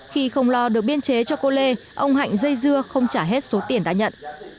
khi không lo được biên chế cho cô lê ông hạnh dây dưa không trả hết số tiền đã nhận